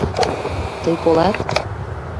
Тый колат?